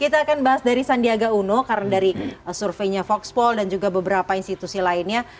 kita akan bahas dari sandiaga uno karena dari surveinya voxpol dan juga beberapa institusi lainnya